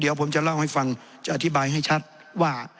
เดี๋ยวผมจะเล่าให้ฟังจะอธิบายให้ชัดว่า